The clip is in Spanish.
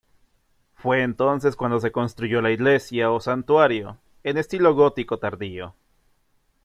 Fue entonces cuando se construyó la iglesia o santuario, en estilo gótico tardío.